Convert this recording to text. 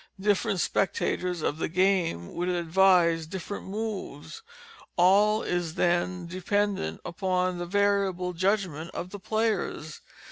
Different spectators of the game would advise different moves. All is then dependent upon the variable judgment of the players.